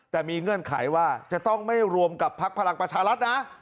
แต่มีเงื่อนไขว่าจะต้องไม่รวมกับพักพลังประชารัฐนะ